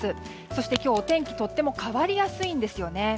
そして今日、お天気とっても変わりやすいんです。